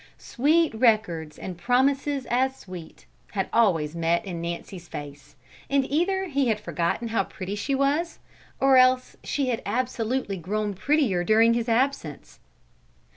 "Sweet records, and promises as sweet," had always met in Nancy's face, and either he had forgotten how pretty she was, or else she had absolutely grown prettier during his absence.